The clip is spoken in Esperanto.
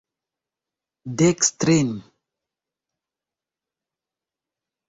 Dekstren!